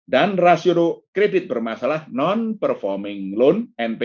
dan rasio kredit bermasalah non performing loan